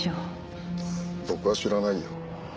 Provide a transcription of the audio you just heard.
僕は知らないよ。